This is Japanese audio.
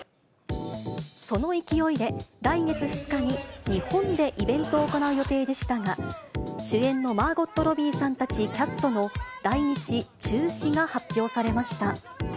その勢いで、来月２日に日本でイベントを行う予定でしたが、主演のマーゴット・ロビーさんたち、キャストの来日中止が発表されました。